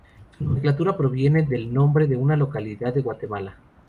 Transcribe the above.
Su nomenclatura proviene del nombre de una localidad de Guatemala.